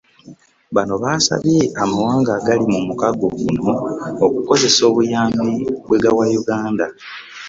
Bano baasabye amawanga agali mu mukago guno okukozesa obuyambi bwe gawa Uganda